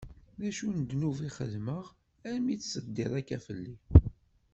D acu n ddnub i xedmeɣ armi i tt-teddiḍ akka fell-i?